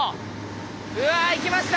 うわあいきました！